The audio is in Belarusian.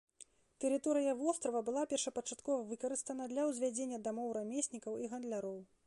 Тэрыторыя вострава была першапачаткова выкарыстана для ўзвядзення дамоў рамеснікаў і гандляроў.